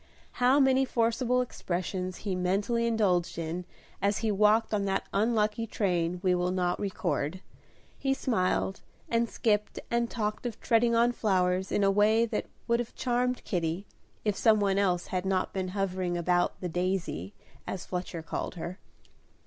How many forcible expressions he mentally indulged in as he walked on that unlucky train we will not record; he smiled and skipped and talked of treading on flowers in a way that would have charmed Kitty, if some one else had not been hovering about "The Daisy," as Fletcher called her.